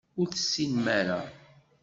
Ur tessinem ara.